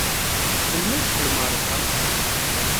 Melmi ay d-teqqlem ɣer wexxam?